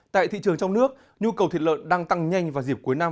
tại thị trường trong nước nhu cầu thịt lợn đang tăng nhanh vào dịp cuối năm